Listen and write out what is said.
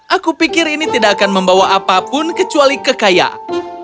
aku pikir ini tidak akan membawa apapun kecuali kekayaan